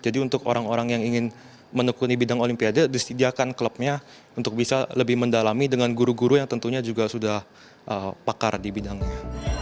jadi untuk orang orang yang ingin menekuni bidang olimpiade disediakan klubnya untuk bisa lebih mendalami dengan guru guru yang tentunya juga sudah pakar di bidangnya